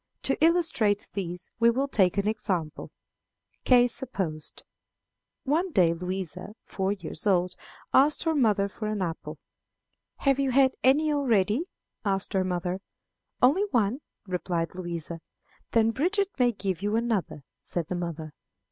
To illustrate these we will take an example. Case supposed. One day Louisa, four years old, asked her mother for an apple. "Have you had any already?" asked her mother. "Only one," replied Louisa. "Then Bridget may give you another," said the mother.